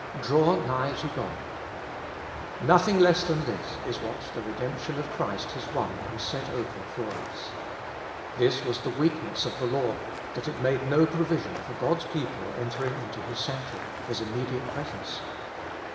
Draw nigh to God! Nothing less than this is what the redemption of Christ has won and set open for us. This was the weakness of the law, that it made no provision for God's people entering into His sanctuary, His immediate presence.